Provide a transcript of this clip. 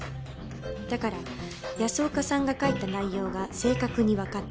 だから安岡さんが書いた内容が正確にわかった。